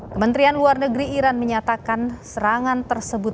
kementerian luar negeri iran menyatakan serangan tersebut